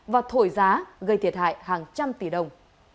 và thổi giá gây thiệt hại hàng trăm tỷ đồng